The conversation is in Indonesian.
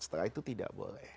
setelah itu tidak boleh